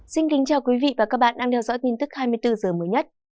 xin kính chào quý vị và các bạn đang theo dõi tin tức hai mươi bốn h mới nhất